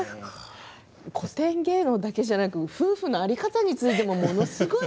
古典芸能だけじゃなく夫婦の在り方についてもものすごく。